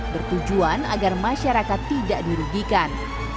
bertujuan agar masyarakat tidak dirugikan